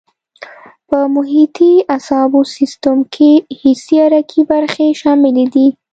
په محیطي اعصابو سیستم کې حسي او حرکي برخې شاملې دي.